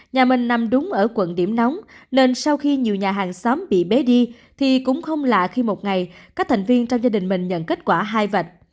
nhà mình nằm đúng ở quận điểm nóng nên sau khi nhiều nhà hàng xóm bị bế thì cũng không lạ khi một ngày các thành viên trong gia đình mình nhận kết quả hai vạch